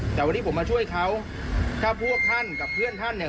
แต่วันนี้ผมมาช่วยเขาถ้าพวกท่านกับเพื่อนท่านเนี่ย